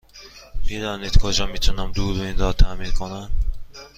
می دانید کجا می تونم دوربینم را تعمیر کنم؟